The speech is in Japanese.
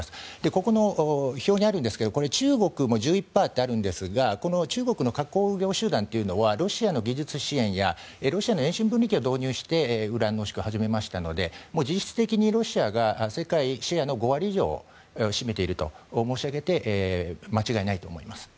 ここの表にあるんですけども中国も１１％とあるんですが中国の核工業集団というのはロシアの技術支援やロシアの遠心分離機を導入してウラン濃縮を始めましたので実質的にロシアが世界シェアの５割以上を占めていると申し上げて間違いないと思います。